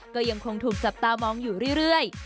ก็ยังคงถูกจับตามองอยู่เรื่อย